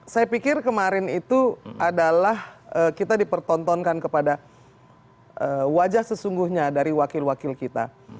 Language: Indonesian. saya pikir kemarin itu adalah kita dipertontonkan kepada wajah sesungguhnya dari wakil wakil kita